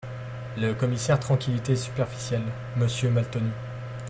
Le Commissaire Tranquillité superficielle, Monsieur Maltenu…